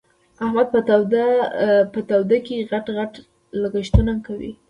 احمد په توده کې؛ غټ غټ لګښتونه کوي.